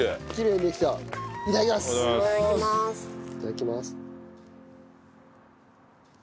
いただきます。